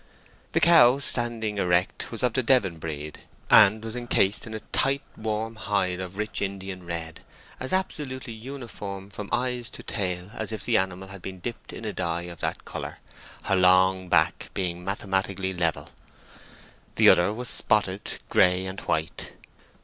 The cow standing erect was of the Devon breed, and was encased in a tight warm hide of rich Indian red, as absolutely uniform from eyes to tail as if the animal had been dipped in a dye of that colour, her long back being mathematically level. The other was spotted, grey and white.